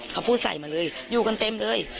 เขาพูดใส่มาเลยอยู่กันเต็มเลย